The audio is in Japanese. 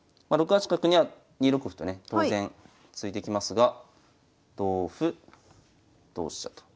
八角には２六歩とね当然突いてきますが同歩同飛車と。